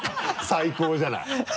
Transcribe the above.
最高じゃない。